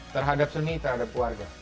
terhadap seni terhadap keluarga